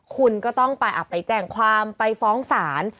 คุณก็ต้องไปแจ้งความไปฟ้องศาล